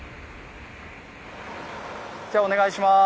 じゃあお願いします。